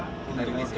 untuk yang publik pak